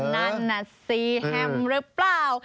นั่นน่ะสิแฮมหรือเปล่า